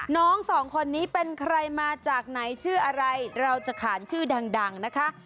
สองคนนี้เป็นใครมาจากไหนชื่ออะไรเราจะขานชื่อดังนะคะ